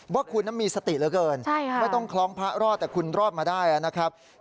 ว่าคุณมีสติเหลือเกินไม่ต้องคล้องพระรอดแต่คุณรอดมาได้นะครับ